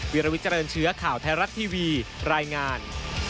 วิลวิเจริญเชื้อข่าวไทยรัฐทีวีรายงาน